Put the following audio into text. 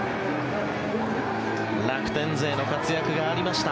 楽天勢の活躍がありました